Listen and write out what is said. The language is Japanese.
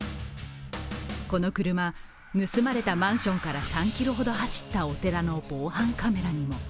この車、盗まれたマンションから３ｋｍほど走ったお寺の防犯カメラにも。